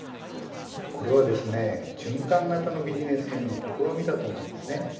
これは循環型のビジネスへの試みだと思います。